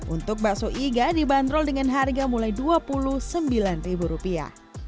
untuk bakso iga dibanderol dengan harga mulai dua puluh sembilan ribu rupiah